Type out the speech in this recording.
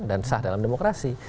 dan sah dalam demokrasi